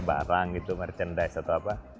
barang gitu merchandise atau apa